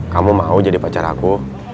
kamu mau jadi pacar aku